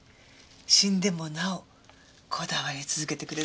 死んでもなおこだわり続けてくれる人がいるなんて。